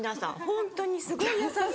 ホントにすごい優しい。